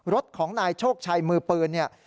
รถของนายโชคชัยมือปืนเนี่ย